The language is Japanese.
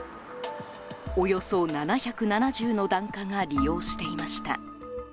およそ７７０の檀家が利用していました。